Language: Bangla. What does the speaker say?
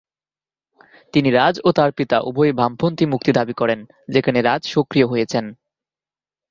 তিনি রাজ ও তার পিতা উভয়ই বামপন্থী মুক্তি দাবি করেন, যেখানে রাজ সক্রিয় হয়েছেন।